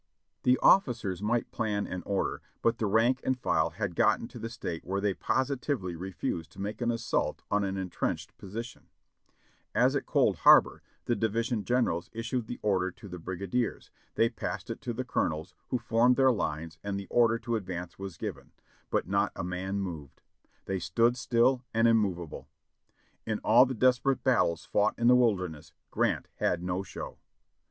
The officers might plan and order, but the rank and file had gotten to that state where they positively refused to make an assault on an entrenched position; as at Cold Harbor, the divis ion generals issued the order to the brigadiers; they passed it to the colonels, who formed their lines and the order to advance was given, but not a man moved ; they stood still and immovable. In all the desperate battles fought in the Wilderness, Grant had no show.